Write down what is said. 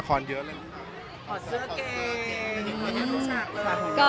มันเป็นปัญหาจัดการอะไรครับ